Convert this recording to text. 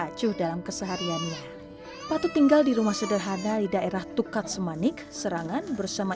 acuh dalam kesehariannya patut tinggal di rumah sederhana di daerah tukat semanik serangan bersama